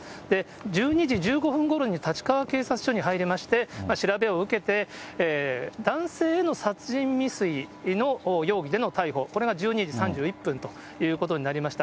１２時１５分ごろに立川警察署に入りまして、調べを受けて、男性への殺人未遂の容疑での逮捕、これが１２時３１分ということになりました。